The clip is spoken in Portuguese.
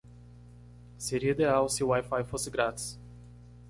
Seria ideal se o WiFi fosse grátis.